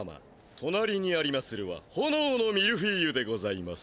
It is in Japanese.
となりにありまするはほのおのミルフィーユでございます。